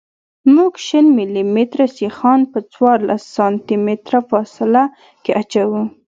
موږ شل ملي متره سیخان په څوارلس سانتي متره فاصله کې اچوو